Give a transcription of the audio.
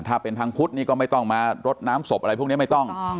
ถ้าเป็นทางพุทธนี่ก็ไม่ต้องมารดน้ำศพอะไรพวกนี้ไม่ต้อง